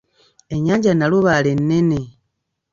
Ennyanja Nalubaale nnene.